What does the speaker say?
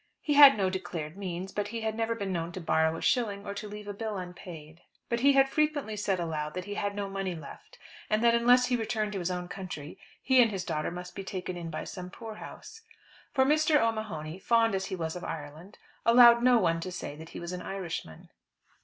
He had no declared means, but he had never been known to borrow a shilling, or to leave a bill unpaid. But he had frequently said aloud that he had no money left, and that unless he returned to his own country he and his daughter must be taken in by some poor house. For Mr. O'Mahony, fond as he was of Ireland, allowed no one to say that he was an Irishman.